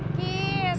kami di lantai